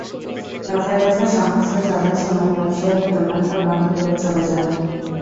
দফায় দফায় সংঘর্ষ চলার সময় ব্যবসায়ীরা দোকানপাট বন্ধ করে চলে যান।